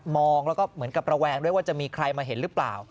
งแล้วก็เหมือนกับระแวงด้วยว่าจะมีใครมาเห็นหรือเปล่า